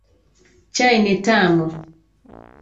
Chai ni tamu.